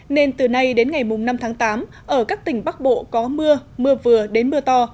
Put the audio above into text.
nên từ nay đến ngày năm tháng tám ở các tỉnh bắc bộ có mưa mưa vừa đến mưa to